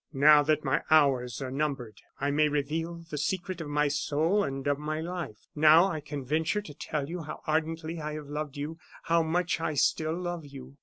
Now that my hours are numbered, I may reveal the secret of my soul and of my life. Now, I can venture to tell you how ardently I have loved you how much I still love you."